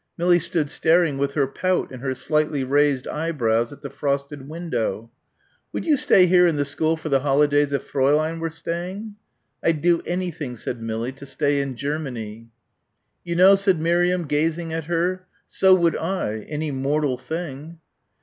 Millie stood staring with her pout and her slightly raised eyebrows at the frosted window. "Would you stay here in the school for the holidays if Fräulein were staying?" "I'd do anything," said Millie, "to stay in Germany." "You know," said Miriam gazing at her, "so would I any mortal thing."